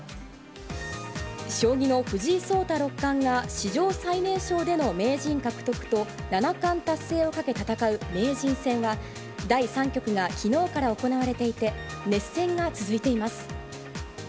将棋の藤井聡太六冠が、史上最年少での名人獲得と、七冠達成をかけ戦う名人戦は、第３局がきのうから行われていて、熱戦が続いています。